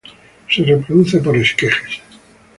Se reproduce por esquejes.